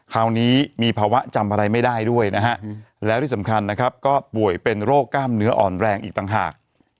คราวนี้มีภาวะจำอะไรไม่ได้ด้วยนะฮะแล้วที่สำคัญนะครับก็ป่วยเป็นโรคกล้ามเนื้ออ่อนแรงอีกต่างหาก